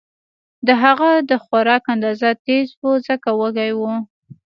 د هغه د خوراک انداز تېز و ځکه وږی و